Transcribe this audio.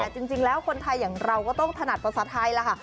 แต่จริงแล้วคนไทยอย่างเราก็ต้องถนัดภาษาไทยแล้วค่ะ